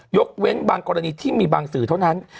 ยกเว้นบางกรณีที่มีบางสื่อเท่านั้น